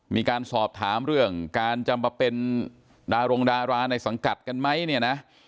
มีการสอบถามเรื่องการจะมาเป็นดารงดาราในสังกัดกันไหมเนี่ยนะ